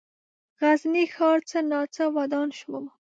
غزني ښار څه ناڅه ودان شو.